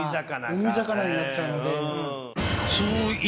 海魚になっちゃうので。